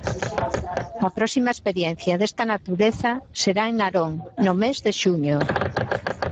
A próxima experiencia desta natureza será en Narón no mes de xuño.